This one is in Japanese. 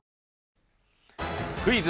クイズ！